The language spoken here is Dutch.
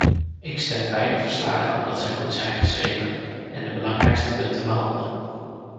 Ik steun beide verslagen omdat zij goed zijn geschreven en de belangrijkste punten behandelen.